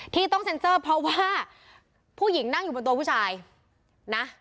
ที่ต้องเซ็นเซอร์เพราะว่าผู้หญิงนั่งอยู่บนตัวผู้ชายนะ